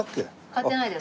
買ってないです。